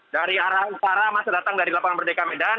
dari arah utara masa datang dari lapangan merdeka medan